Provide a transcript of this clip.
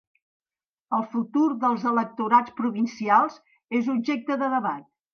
El futur dels electorats provincials és objecte de debat.